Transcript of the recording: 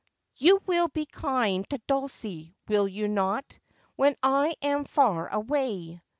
You will be kind to Dulcie, will you not, when I am far away